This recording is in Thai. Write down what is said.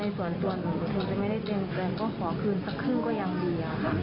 ส่วนตัวหนูคงจะไม่ได้เตรียมใจก็ขอคืนสักครึ่งก็ยังดีค่ะ